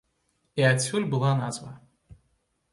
І адсюль была назва.